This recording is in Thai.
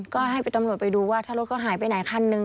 ก็ให้ตำรวจไปดูว่าถ้ารถเขาหายไปไหนคันนึง